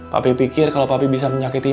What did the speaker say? papi pikir kalau papi bisa menyakiti